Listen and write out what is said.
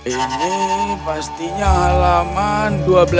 ini pasti halaman dua belas ribu tiga ratus enam puluh tujuh